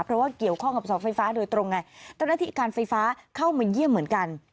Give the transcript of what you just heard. เพราะว่าเกี่ยวข้องกับเสาไฟฟ้าโดยตรงไงเจ้าหน้าที่การไฟฟ้าเข้ามาเยี่ยมเหมือนกัน